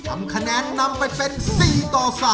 ทำคะแนนนำไปเป็น๔ต่อ๓